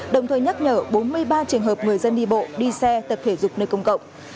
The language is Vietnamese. đồng thời nhắc nhở bốn mươi ba trường hợp người dân đi bộ đi xe tập thể dục nơi công cộng